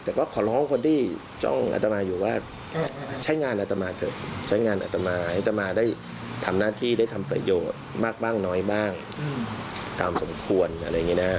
แต่ก็ขอร้องคนที่จ้องอัตมาอยู่ว่าใช้งานอัตมาเถอะใช้งานอัตมาอัตมาได้ทำหน้าที่ได้ทำประโยชน์มากบ้างน้อยบ้างตามสมควรอะไรอย่างนี้นะฮะ